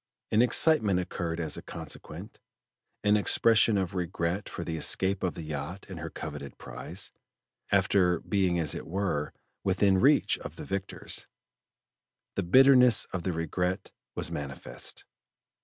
An excitement occurred as a consequent; an expression of regret for the escape of the yacht and her coveted prize, after being as it were within reach of the victors. The bitterness of the regret was manifest.